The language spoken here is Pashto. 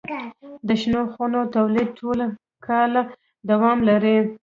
د شنو خونو تولید ټول کال دوام لري.